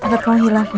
tengok kelahiran aku ya